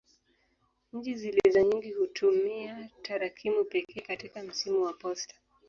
Nchi zilizo nyingi hutumia tarakimu pekee katika msimbo wa posta.